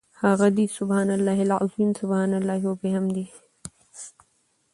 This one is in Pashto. هغه دي سُبْحَانَ اللَّهِ العَظِيمِ، سُبْحَانَ اللَّهِ وَبِحَمْدِهِ .